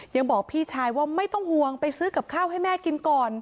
ยังบอกพี่ชายว่าไม่ต้องห่วงไปซื้อกับข้าวให้แม่กินก่อน